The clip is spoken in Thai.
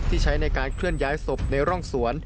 ใช้ในการเคลื่อนย้ายศพในร่องสวน